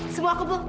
semua aku belum